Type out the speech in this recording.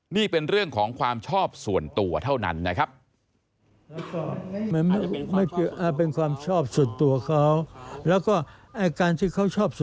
นี่เป็นเรื่องของความชอบส่วนตัวเท่านั้นนะครับ